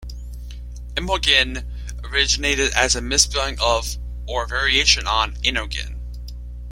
Imogen originated as a misspelling of, or variation on, Innogen.